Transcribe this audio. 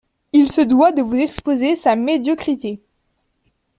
Il se doit de vous exposer sa médiocrité.